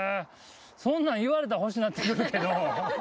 そんなん言われたらほしなってくるけど。